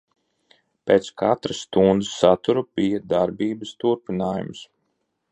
Pēc katras stundas satura bija darbības turpinājums.